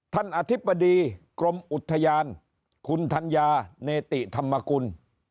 อธิบดีกรมอุทยานคุณธัญญาเนติธรรมกุล